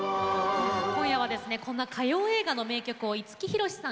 今夜はこんな歌謡映画の名曲を五木ひろしさん